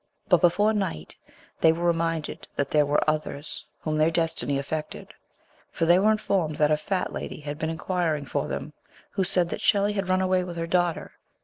But before night they were reminded that there were others whom their destiny affected, for they were informed that a " fat lady " had been inquiring for them, who said that Shelley had run away with her daughter.